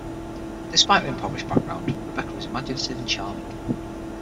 Despite her impoverished background, Rebecca is imaginative and charming.